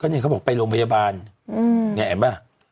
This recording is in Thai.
ก็เนี่ยเขาบอกไปโรงพยาบาลแง่ไหม